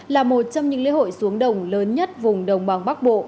là một trong những lễ hội xuống đồng lớn nhất vùng đồng bằng bắc bộ